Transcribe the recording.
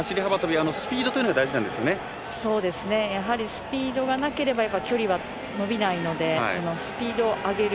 やはりスピードがなければ距離は伸びないのでスピードを上げる。